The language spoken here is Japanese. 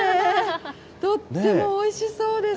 とってもおいしそうです。